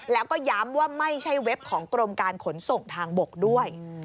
แล้วก็ย้ำว่าไม่ใช่เว็บของกรมการขนส่งทางบกด้วย